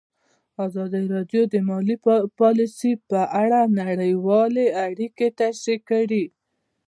ازادي راډیو د مالي پالیسي په اړه نړیوالې اړیکې تشریح کړي.